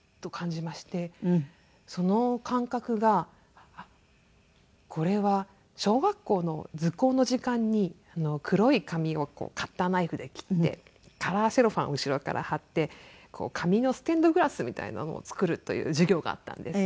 その感覚がこれは小学校の図工の時間に黒い紙をカッターナイフで切ってカラーセロハンを後ろから貼って紙のステンドグラスみたいなのを作るという授業があったんです。